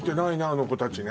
あの子たちね